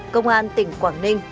công an tỉnh quảng ninh